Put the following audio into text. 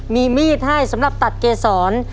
มีมีดให้สำหรับตัดเกษร